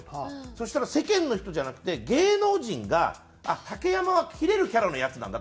そしたら世間の人じゃなくて芸能人が竹山はキレるキャラのヤツなんだってわかると。